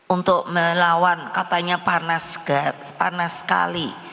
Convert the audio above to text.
untuk melawan katanya panas sekali